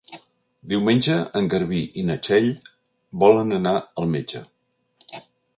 Diumenge en Garbí i na Txell volen anar al metge.